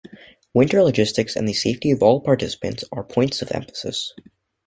Winter logistics and the safety of all participants are points of emphasis.